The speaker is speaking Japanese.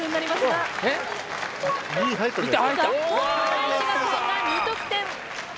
花一学園が２得点！